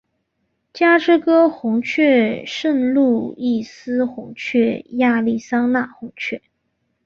芝加哥红雀圣路易斯红雀亚利桑那红雀